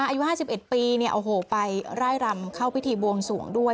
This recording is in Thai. อายุไห้สิบเอ็ดปีเนี่ยโอ้โหไปไล่รำเข้าพิธีบวงสูงด้วย